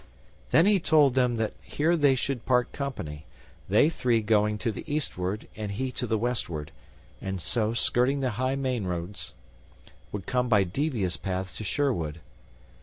Then he told them that here they should part company; they three going to the eastward and he to the westward, and so, skirting the main highroads, would come by devious paths to Sherwood.